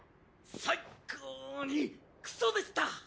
最っ高にクソでした！